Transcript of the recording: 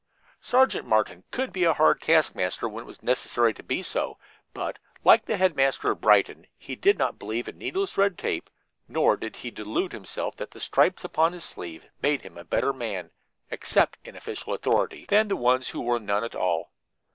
Sergeant Martin could be a hard taskmaster when it was necessary to be so, but, like the headmaster of Brighton, he did not believe in needless red tape, nor did he delude himself that the stripes upon his sleeve made him a better man except in official authority than the one who wore none at all.